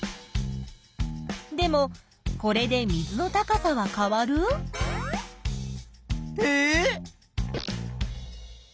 でもこれで水の高さは変わる？えっ？